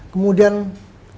kemudian kita masuk ke mrt